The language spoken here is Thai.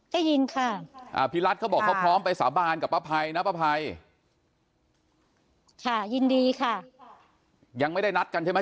ได้ยินค่ะอ่าพี่รัฐเขาบอกเขาพร้อมไปสาบานกับป้าภัยนะป้าภัยค่ะยินดีค่ะยังไม่ได้นัดกันใช่ไหม